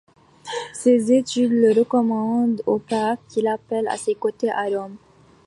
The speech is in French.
Ses études le recommandent au pape qui l'appelle à ses côtés à Rome.